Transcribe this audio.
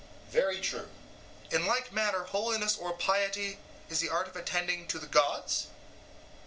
EUTHYPHRO: Very true. SOCRATES: In like manner holiness or piety is the art of attending to the gods?